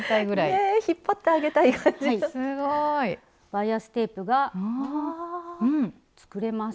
バイアステープが作れます。